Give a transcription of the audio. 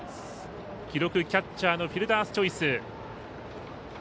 記録、キャッチャーのフィルダースチョイス。